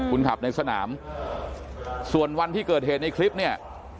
คุณขับในสนามส่วนวันที่เกิดเหตุในคลิปเนี่ย